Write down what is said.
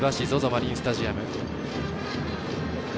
マリンスタジアム。